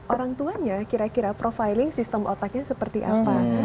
orang tuanya kira kira profiling sistem otaknya seperti apa